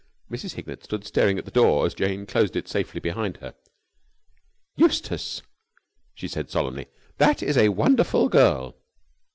Mrs. Hignett stood staring at the door as Jane closed it safely behind her. "Eustace," she said, solemnly, "that is a wonderful girl!"